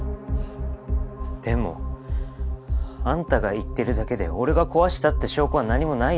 でもあんたが言ってるだけで俺が壊したって証拠は何もないでしょ？